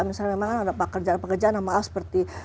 misalnya memang kan ada pekerjaan pekerjaan sama seperti